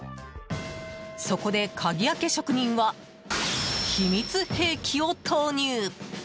そこで、鍵開け職人は秘密兵器を投入。